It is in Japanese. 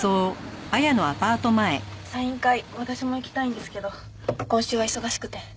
サイン会私も行きたいんですけど今週は忙しくて。